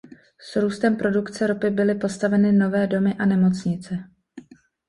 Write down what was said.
S růstem produkce ropy byly postaveny nové domy a nemocnice.